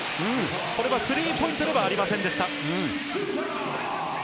これはスリーポイントではありませんでした。